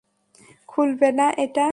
খুলবে না এটা!